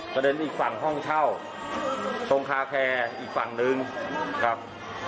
เด็นอีกฝั่งห้องเช่าตรงคาแคร์อีกฝั่งนึงครับ